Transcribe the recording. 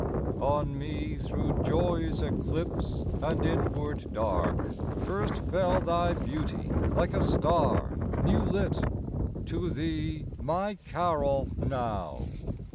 ON me, thro' joy's eclipse, and inward dark, First fell thy beauty like a star new lit; To thee my carol now!